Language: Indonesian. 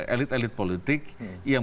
elit elit politik yang